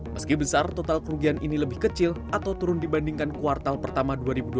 meski besar total kerugian ini lebih kecil atau turun dibandingkan kuartal pertama dua ribu dua puluh